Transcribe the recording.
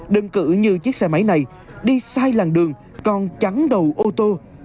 đơn cử như chiếc xe máy này đi sai làng đường còn chắn đầu ô tô